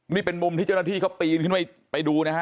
นี่เป็นมุมที่เจ้าหน้าที่เขาปีนขึ้นไปดูนะฮะ